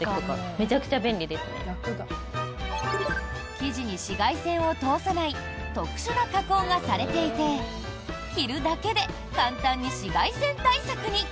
生地に紫外線を通さない特殊な加工がされていて着るだけで簡単に紫外線対策に。